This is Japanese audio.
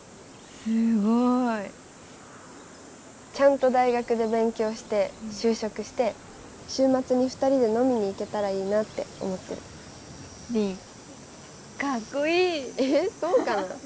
すごいちゃんと大学で勉強して就職して週末に２人で飲みに行けたらいいなって思ってる凛カッコいいえっそうかな